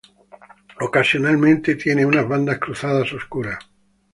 Ocasionalmente tienen unas bandas cruzadas oscuras.